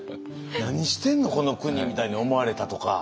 「何してんのこの国」みたいに思われたとか。